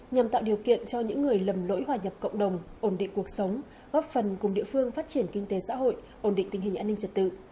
nhằm tạo điều kiện cho những người lầm lỗi hòa nhập cộng đồng ổn định cuộc sống góp phần cùng địa phương phát triển kinh tế xã hội ổn định tình hình an ninh trật tự